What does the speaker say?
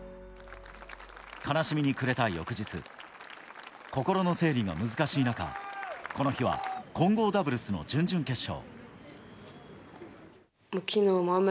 悲しみに暮れた翌日、心の整理が難しい中、この日は混合ダブルスの準々決勝。